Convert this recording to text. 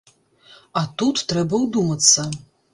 А тут трэба ўдумацца.